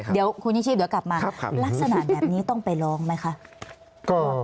เดี๋ยวคุณนิชีพเดี๋ยวกลับมาลักษณะแบบนี้ต้องไปร้องไหมคะ